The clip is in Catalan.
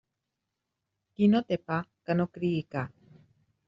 Qui no té pa, que no crie ca.